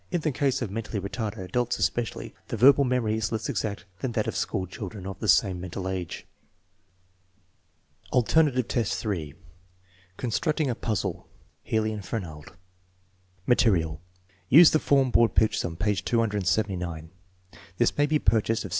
In the case of mentally retarded adults, especially, the verbal memory is less exact than that of school chil dren of the same mental age. X, Alternative test 3: construction puzzle A (Healy and Fernald) Material. Use the form board pictured on page 279. , This may be purchased of C.